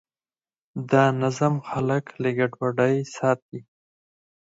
دا نظم خلک له ګډوډۍ ساتي.